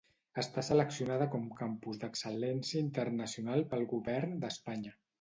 Està seleccionada com Campus d'Excel·lència Internacional pel Govern d'Espanya.